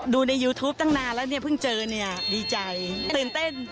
ดูในยูทูปตั้งนานแล้วเนี่ยเพิ่งเจอเนี่ยดีใจตื่นเต้น